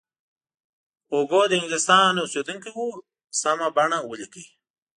هوګو د انګلستان اوسیدونکی و سمه بڼه ولیکئ.